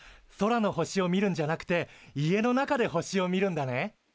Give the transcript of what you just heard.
空の星を見るんじゃなくて家の中で星を見るんだね？